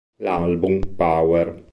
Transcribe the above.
L'album "Power!